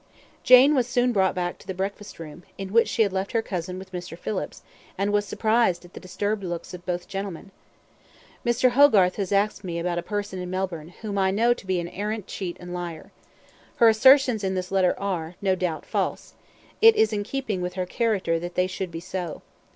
Jane was soon brought back to the breakfast room, in which she had left her cousin with Mr. Phillips, and was surprised at the disturbed looks of both gentlemen. "Mr. Hogarth has asked me about a person in Melbourne, whom I know to be an arrant cheat and liar. Her assertions in this letter are, no doubt, false; it is in keeping with her character that they should be so.